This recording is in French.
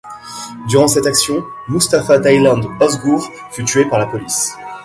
Durant cette action, Mustafa Taylan Özgür fut tué par la police.